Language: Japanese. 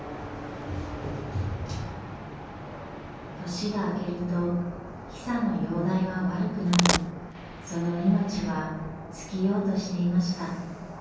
年が明けるとヒサの容体は悪くなりその命は尽きようとしていました。